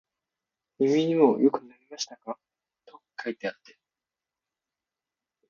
耳にもよく塗りましたか、と書いてあって、